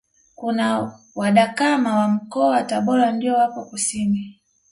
Kuna wadakama wa Mkoa wa Tabora ndio wapo kusini